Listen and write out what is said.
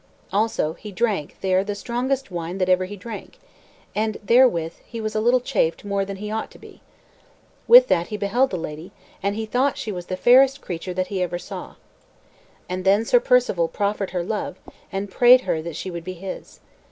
Also he drank there the strongest wine that ever he drank, and therewith he was a little chafed more than he ought to be. With that he beheld the lady, and he thought she was the fairest creature that ever he saw. And then Sir Perceval proffered her love, and prayed her that she would be his.